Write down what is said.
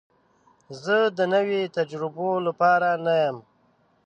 زه د نوي تجربو لپاره نه یم.